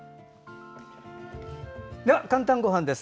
では「かんたんごはん」です。